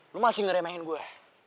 lo masih ngeremehin gue